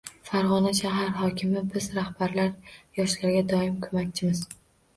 Farg‘ona shahar hokimi: biz, rahbarlar yoshlarga doimo ko‘makchimiz